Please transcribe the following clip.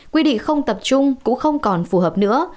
quy định không tập trung cũng không còn phù hợp nữa